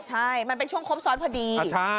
ใช่มันเป็นช่วงครบซ้อนพอดี